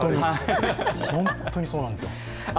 ホントにそうなんですよ。